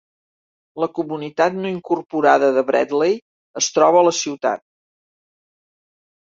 La comunitat no incorporada de Bradley es troba a la ciutat.